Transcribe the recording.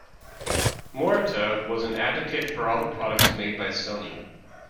Morita was an advocate for all the products made by Sony.